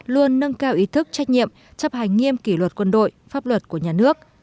luôn nâng cao ý thức trách nhiệm chấp hành nghiêm kỷ luật quân đội pháp luật của nhà nước